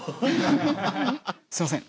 すいません